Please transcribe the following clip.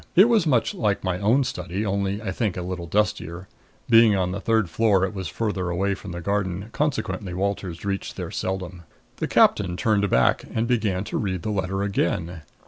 It was much like my own study, only I think a little dustier. Being on the third floor it was farther from the garden, consequently Walters reached there seldom. The captain turned back and began to read the letter again.